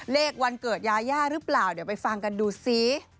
วันเกิดยาย่าหรือเปล่าเดี๋ยวไปฟังกันดูสิ